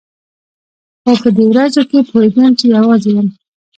خو په دې ورځو کښې پوهېدم چې يوازې يم.